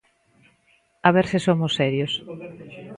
A ver se somos serios.